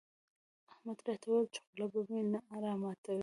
احمد راته وويل چې خوله به مې نه راماتوې.